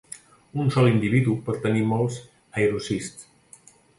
Un sol individu pot tenir molts aerocists.